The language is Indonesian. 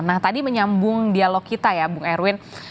nah tadi menyambung dialog kita ya bung erwin